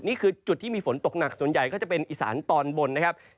นี่คือจุดที่มีฝนตกหนักส่วนใหญ่ก็จะเป็นอีสานตอนบนนะครับ